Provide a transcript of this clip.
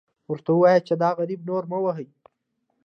ورته ووایه چې دا غریب نور مه وهئ.